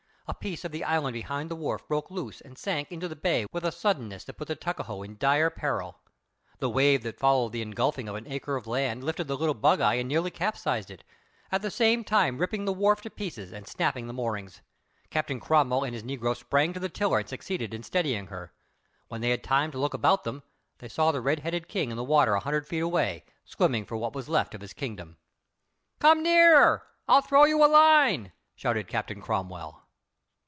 A piece of the island behind the wharf broke loose and sank into the bay with a suddenness that put the Tuckahoe in dire peril. The wave that followed the engulfing of an acre of land lifted the little bugeye and nearly capsized it, at the same time ripping the wharf to pieces and snapping the moorings. Captain Cromwell and his negro sprang to the tiller and succeeded in steadying her. When they had time to look about them they saw the red headed King in the water a hundred feet away, swimming for what was left of his kingdom. "Come nearer; I'll throw you a line," shouted Captain Cromwell.